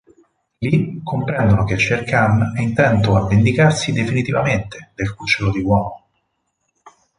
Lì, comprendono che Shere Khan è intento a vendicarsi definitivamente del cucciolo di uomo.